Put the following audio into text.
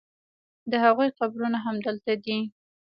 د هغوی قبرونه همدلته دي.